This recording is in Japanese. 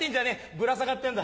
ぶら下がってんだ。